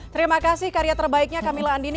terima kasih karya terbaiknya camilla andini